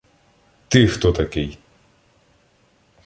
— Ти хто такий?!